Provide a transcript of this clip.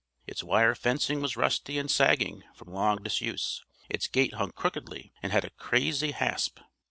Its wire fencing was rusty and sagging from long disuse, its gate hung crookedly and had a crazy hasp.